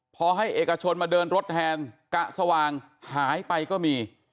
พอให้เอกชนมาเดินรถแทนกะสว่างหายไปก็มี